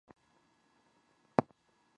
څوک د کورنۍ په اقتصاد کې مرسته کوي؟